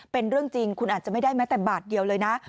เป็นเรื่องจริงคุณอาจจะไม่ได้แม้แต่บาทเดียวเลยนะ